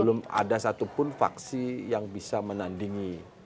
belum ada satupun vaksi yang bisa menandingi